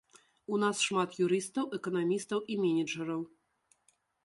У нас шмат юрыстаў, эканамістаў і менеджараў.